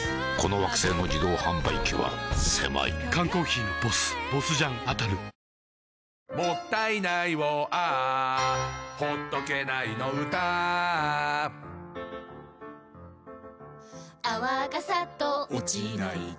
缶コーヒーの「ＢＯＳＳ」「もったいないをＡｈ」「ほっとけないの唄Ａｈ」「泡がサッと落ちないと」